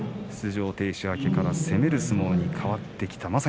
出場停止明けから攻める相撲に変わってきた。